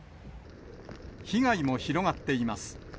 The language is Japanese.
被害も広がっています。